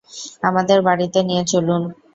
আমাদের বাড়িতে নিয়ে চলুন।